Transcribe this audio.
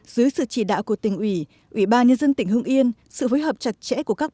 dưới sự chỉ đạo của tỉnh ủy ủy ban nhân dân tỉnh hưng yên sự phối hợp chặt chẽ của các